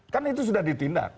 kan itu sudah ditindak